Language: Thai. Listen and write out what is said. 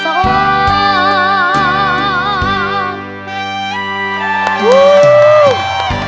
เพราะเธอชอบเมือง